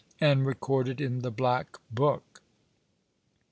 and recorded in the Black Book.